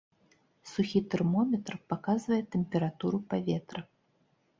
Сухі тэрмометр паказвае тэмпературу паветра.